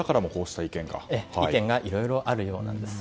意見がいろいろあるようなんです。